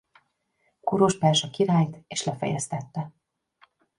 Kurus perzsa királyt és lefejeztette.